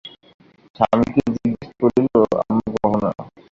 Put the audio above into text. স্বামীকে জিজ্ঞাসা করিল, আমার গহনা?